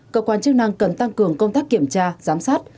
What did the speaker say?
cơ quan chức năng cần tăng cường công tác kiểm tra giám sát